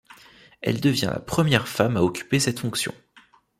Elle devient la première femme à occuper cette fonction.